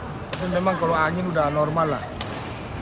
tapi memang kalau angin sudah normal lah